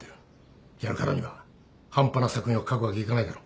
やるからには半端な作品を書くわけいかないだろ。